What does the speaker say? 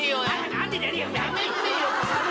やめてよ。